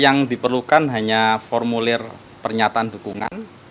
yang diperlukan hanya formulir pernyataan dukungan